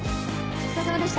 お疲れさまです。